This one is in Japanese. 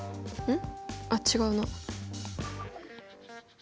ん？